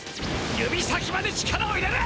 指先まで力を入れる！